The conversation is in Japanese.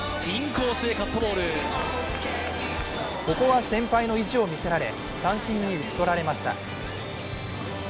ここは先輩の意地を見せられ三振に打ち取られました。